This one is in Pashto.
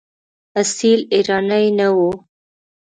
اصیل ایرانی نه وو.